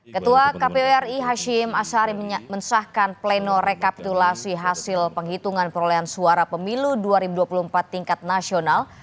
ketua kpu ri hashim ashari mensahkan pleno rekapitulasi hasil penghitungan perolehan suara pemilu dua ribu dua puluh empat tingkat nasional